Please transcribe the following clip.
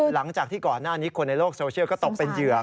หลังจากที่ก่อนหน้านี้คนในโลกโซเชียลก็ตกเป็นเหยื่อ